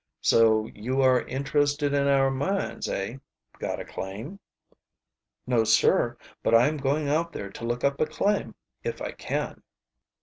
"So you are interested in our mines, eh? Got a claim?" "No, sir, but I am going out there to look up a claim if I can."